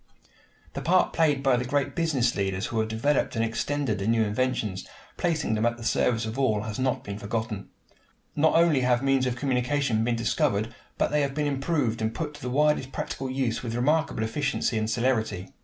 The part played by the great business leaders who have developed and extended the new inventions, placing them at the service of all, has not been forgotten. Not only have means of communication been discovered, but they have been improved and put to the widest practical use with remarkable efficiency and celerity.